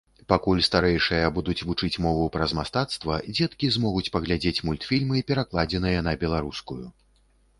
Пакуль старэйшыя будуць вучыць мову праз мастацтва, дзеткі змогуць паглядзець мультфільмы, перакладзеныя на беларускую.